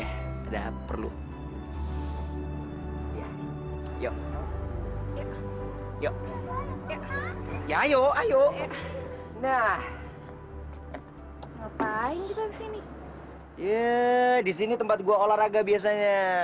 ya disini tempat gue olahraga biasanya